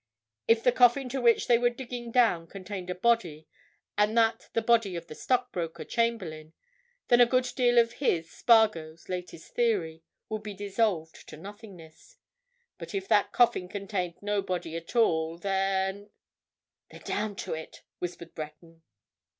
If the coffin to which they were digging down contained a body, and that the body of the stockbroker, Chamberlayne, then a good deal of his, Spargo's, latest theory, would be dissolved to nothingness. But if that coffin contained no body at all, then—" "They're down to it!" whispered Breton.